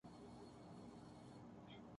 زیادہ کامیاب کریں